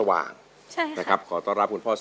มาพบกับแก้วตานะครับนักสู้ชีวิตสู้งาน